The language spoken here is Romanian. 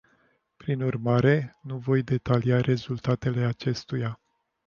Prin urmare, nu voi detalia rezultatele acestuia.